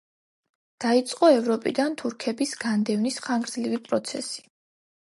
დაიწყო ევროპიდან თურქების განდევნის ხანგრძლივი პროცესი.